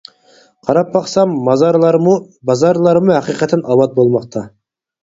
قاراپ باقساق مازارلارمۇ، بازارلارمۇ ھەقىقەتەن ئاۋات بولماقتا.